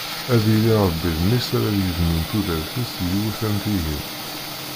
Ad yili Rebbi d mmi-s ara yebḍun tudert-is d yiwet am tihin.